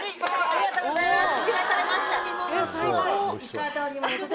ありがとうございます。